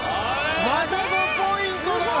また５ポイントだ！